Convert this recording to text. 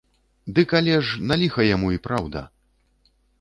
Дык але ж, на ліха яму, і праўда.